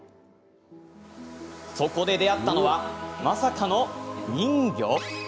そこで出会ったのはまさかの人魚？